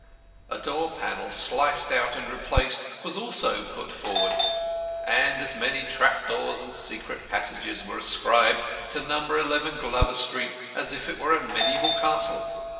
A door panel sliced out and replaced was also put forward, and as many trap doors and secret passages were ascribed to No. 11 Glover Street, as if it were a mediæval castle.